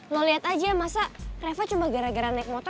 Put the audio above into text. lo lihat aja masa kreva cuma gara gara naik motor